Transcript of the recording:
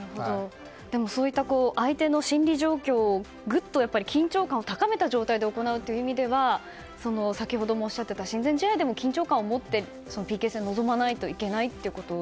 そういった相手の心理状況を緊張感が高まった状態で行うという意味では先ほどもおっしゃっていた親善試合でも緊張感を持ってＰＫ戦に臨まないといけないと。